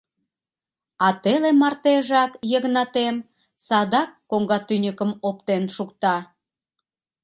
А теле мартежак Йыгнатем садак коҥга тӱньыкым оптен шукта.